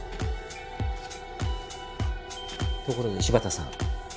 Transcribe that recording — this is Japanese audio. ところで柴田さん。